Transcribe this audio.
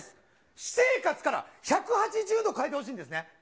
私生活から１８０度変えてほしいんですね。